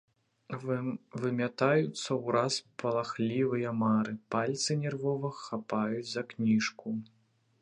Вымятаюцца ўраз палахлівыя мары, пальцы нервова хапаюць за кніжку.